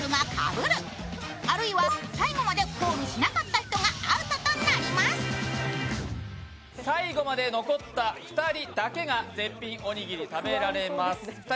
「たけのこニョッキ」とは最後まで残った２人だけが絶品おにぎり、食べられます。